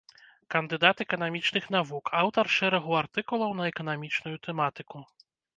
Кандыдат эканамічных навук, аўтар шэрагу артыкулаў на эканамічную тэматыку.